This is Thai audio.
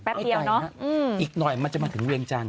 แป๊บเดียวเนอะไม่ไกลนะอีกหน่อยมันจะมาถึงเวียงจันทร์